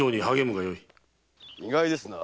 意外ですな。